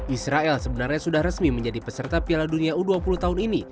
israel sebenarnya sudah resmi menjadi peserta piala dunia u dua puluh tahun ini